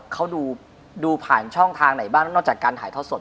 เขาดูผ่านช่องทางไหนบ้างนอกจากการถ่ายทอดสด